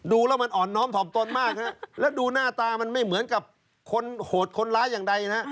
ดูแล้วมันอ่อนน้อมถอบตนมากฮะแล้วดูหน้าตามันไม่เหมือนกับคนโหดคนร้ายอย่างใดนะฮะ